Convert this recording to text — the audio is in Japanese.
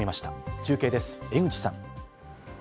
中継です、江口さん。